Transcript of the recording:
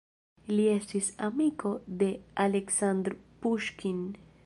Li estis amiko de Aleksandr Puŝkin.